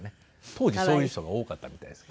当時そういう人が多かったみたいです。